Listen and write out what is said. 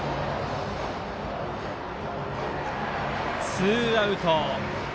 ツーアウト。